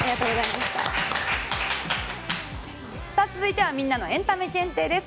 続いてはみんなのエンタメ検定です。